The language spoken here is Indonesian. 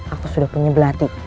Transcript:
aku sudah punya belati